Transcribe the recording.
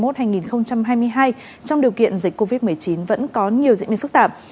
trong điều kiện dịch covid một mươi chín vẫn có nhiều diễn biến phức tạp